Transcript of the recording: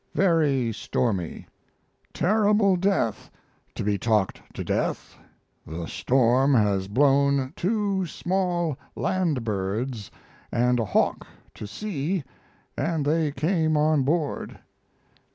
Very stormy. Terrible death to be talked to death. The storm has blown two small land birds and a hawk to sea and they came on board.